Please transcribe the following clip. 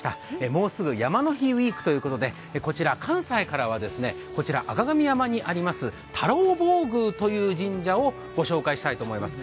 もうすぐ山の日ウィークということでこちら関西からは、赤神山にあります太郎坊宮という神社をご紹介したいと思います。